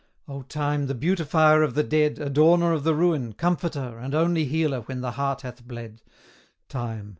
O Time! the beautifier of the dead, Adorner of the ruin, comforter And only healer when the heart hath bled Time!